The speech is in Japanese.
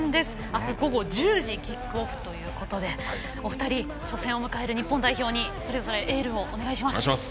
明日午後１０時キックオフということでお二人、初戦を迎える日本代表にそれぞれエールをお願いします。